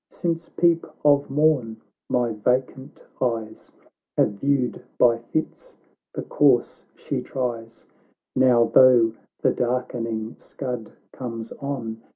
Since peep of morn, my vacant eyes Have viewed by fits the course she tries ; Now, though the darkening s^ud comes on.